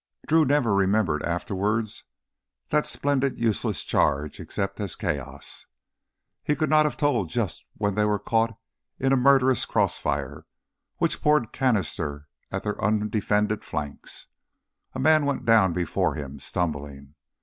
Drew never remembered afterward that splendid useless charge except as chaos. He could not have told just when they were caught in a murderous crossfire which poured canister at their undefended flanks. A man went down before him, stumbling.